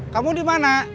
kamu di mana